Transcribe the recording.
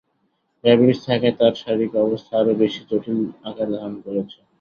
Diabetes থাকায় তাঁর শারীরিক অবস্থা আরও বেশি জটিল আকার ধারণ করেছে।